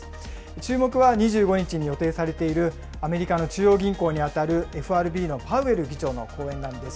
注目は２５日に予定されている、アメリカの中央銀行に当たるＦＲＢのパウエル議長の講演なんです。